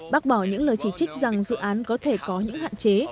bác bỏ những lời chỉ trích rằng dự án có thể có những hạn chế